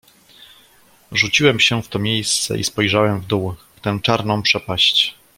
"Rzuciłem się w to miejsce i spojrzałem w dół, w tę czarną przepaść."